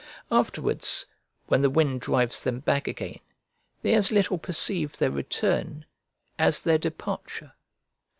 Afterwards, when the wind drives them back again, they as little perceive their return as their departure.